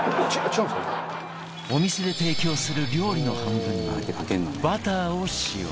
お店で提供する料理の半分にバターを使用